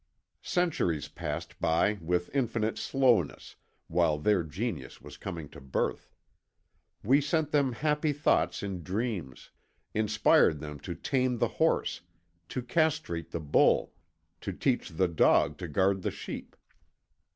Centuries passed by with infinite slowness while their genius was coming to birth. We sent them happy thoughts in dreams, inspired them to tame the horse, to castrate the bull, to teach the dog to guard the sheep.